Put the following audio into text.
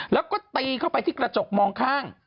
แล้วก็ตีเข้าไปที่กระจกมองข้าง